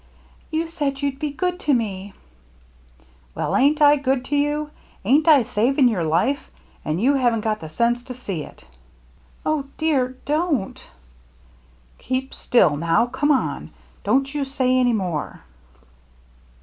" You said you'd be good to me !"" Well, ain't I good to you ? Ain't I sav ing your life, and you haven't got the sense to see it?" "Odear! Don't —"" Keep still, now — come on — Don't you say any more."